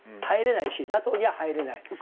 入れないしＮＡＴＯには入れない。